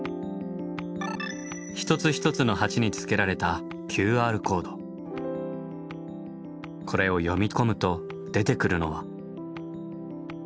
一つ一つの鉢につけられたこれを読み込むと出てくるのは。